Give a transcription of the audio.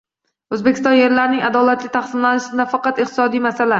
O‘zbekiston yerlarining adolatli taqsimlanishi nafaqat iqtisodiy masala